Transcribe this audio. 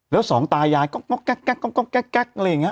แล้วสองตายายก็ก๊อกก๊อกก๊อกก๊อกก๊อก